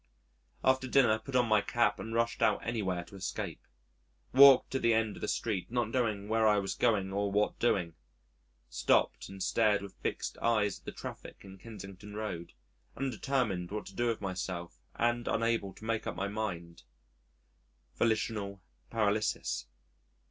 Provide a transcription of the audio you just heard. After dinner, put on my cap and rushed out anywhere to escape. Walked to the end of the street, not knowing where I was going or what doing. Stopped and stared with fixed eyes at the traffic in Kensington Road, undetermined what to do with myself and unable to make up my mind (volitional paralysis).